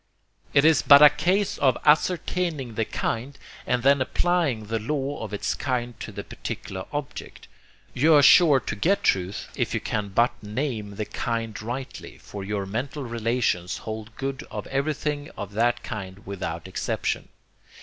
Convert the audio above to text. It is but a case of ascertaining the kind, and then applying the law of its kind to the particular object. You are sure to get truth if you can but name the kind rightly, for your mental relations hold good of everything of that kind without exception.